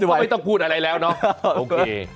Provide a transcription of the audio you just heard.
ผมว่าไม่ต้องพูดอะไรแล้วเนาะโอเค